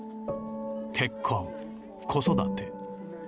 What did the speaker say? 結婚、子育て。